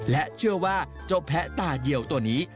และเชื่อว่าเจ้าแพะตาเดียวตัวนี้